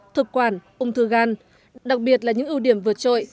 thực quản ung thư gan đặc biệt là những ưu điểm vượt trội